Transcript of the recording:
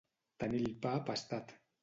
Tenir el pa pastat.